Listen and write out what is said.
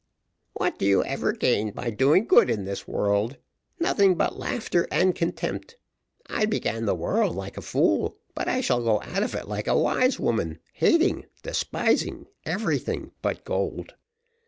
"What do you ever gain by doing good in this world? nothing but laughter and contempt. I began the world like a fool, but I shall go out of it like a wise woman, hating, despising everything but gold.